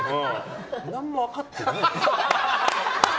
何も分かってねえなと。